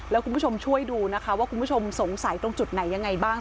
แล้วคุณผู้ชมช่วยดูนะคะว่าคุณผู้ชมสงสัยตรงจุดไหนยังไงบ้าง